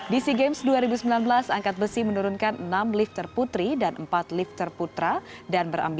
di sea games dua ribu sembilan belas angkat besi menurunkan enam lifter putri dan empat lifter putra dan berhasil